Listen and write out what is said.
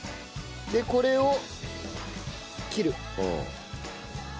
これを切る。